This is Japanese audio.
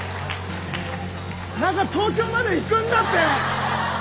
何か東京まで行くんだって。